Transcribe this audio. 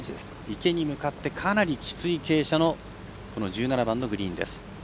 池に向かってかなりきつい傾斜の１７番のグリーン。